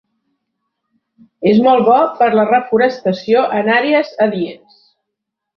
És molt bo per la reforestació en àrees adients.